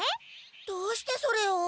どうしてそれを？